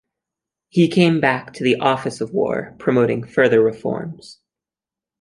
He came back to the Office of war promoting further reforms.